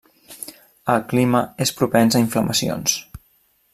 El clima és propens a inflamacions.